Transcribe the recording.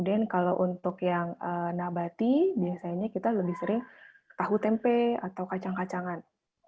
kalau untuk yang nabati biasanya kita lebih sering tahu tempe atau kacang kacangan